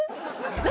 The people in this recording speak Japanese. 何？